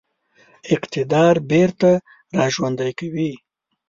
اقتدار بیرته را ژوندی کوي.